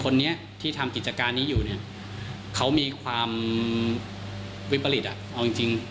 เนี้ยที่ทำกิจการณ์นี้อยู่เนี้ยเขามีความวิปริตอ่ะเอาจริงจริง